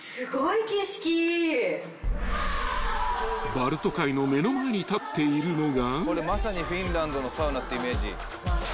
［バルト海の目の前に立っているのが］